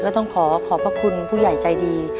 ต้องขอขอบพระคุณผู้ใหญ่ใจดี